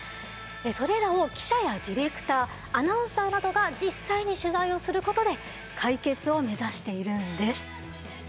それらを記者やディレクターアナウンサーなどが実際に取材をすることで解決を目指しているんです。